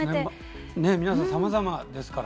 皆さん、さまざまですから。